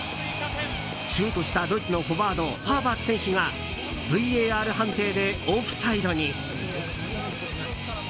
シュートしたドイツのフォワードハーバーツ選手がＶＡＲ判定でオフサイドに。